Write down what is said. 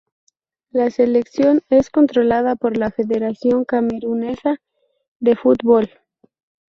La selección es controlada por la Federación Camerunesa de Fútbol.